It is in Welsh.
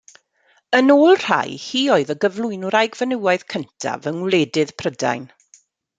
Yn ôl rhai, hi oedd y gyflwynwraig fenywaidd cyntaf yng ngwledydd Prydain.